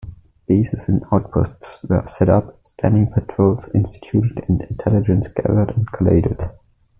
Bases and outposts were set up, standing patrols instituted and intelligence gathered and collated.